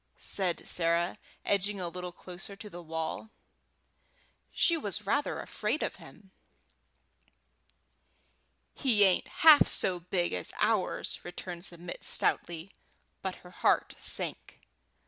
said Sarah, edging a little closer to the wall; she was rather afraid of him. "He ain't half so big as ours," returned Submit, stoutly; but her heart sank.